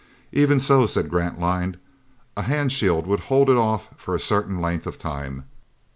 "Even so," said Grantline, "a hand shield would hold it off for a certain length of time."